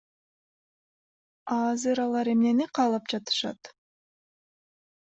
А азыр алар эмнени каалап жатышат?